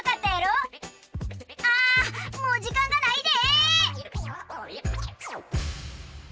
あもうじかんがないで！